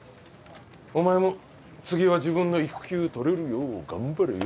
お前も次は自分の育休とれるよう頑張れよ